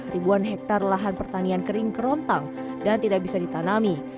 ribuan hektare lahan pertanian kering kerontang dan tidak bisa ditanami